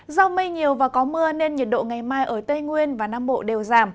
do mây nhiều và có mưa nên nhiệt độ ngày mai ở tây nguyên và nam bộ đều giảm